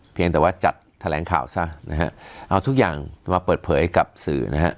เพียงแต่ว่าจัดแถลงข่าวซะนะฮะเอาทุกอย่างมาเปิดเผยกับสื่อนะฮะ